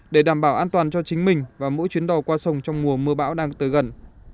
để đảm bảo an toàn cho chính mình và mỗi chuyến đò qua sông trong mùa mưa bão đang tới gần